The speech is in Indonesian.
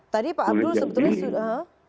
tadi pak abdul sebetulnya